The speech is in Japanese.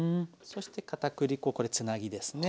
そしてかたくり粉これつなぎですね。